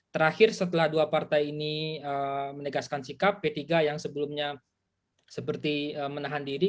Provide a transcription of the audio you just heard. terakhir setelah dua partai ini menegaskan sikap p tiga yang sebelumnya seperti menahan diri